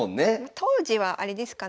当時はあれですかね